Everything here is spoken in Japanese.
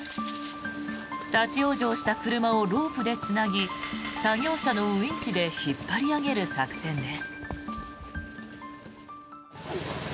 立ち往生した車をロープでつなぎ作業車のウィンチで引っ張り上げる作戦です。